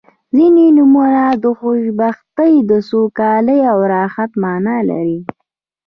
• ځینې نومونه د خوشبختۍ، سوکالۍ او رحمت معنا لري.